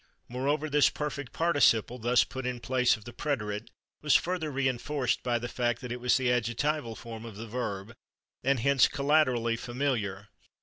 Moreover, this perfect participle, thus put in place of the preterite, was further reinforced by the fact that it was the adjectival form of the verb, and hence collaterally familiar.